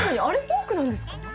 あれフォークなんですか？